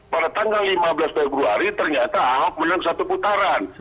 pada tanggal lima belas februari ternyata ahok menang satu putaran